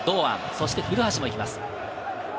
そして古橋も行きます。